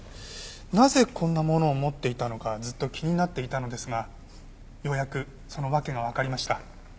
なぜこんなものを持っていたのかずっと気になっていたのですがようやくその訳がわかりました。